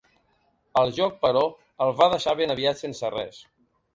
El joc, però, el va deixar ben aviat sense res.